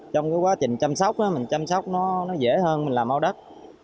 trong cái quá trình chăm sóc mình chăm sóc nó dễ hơn mình làm mau đất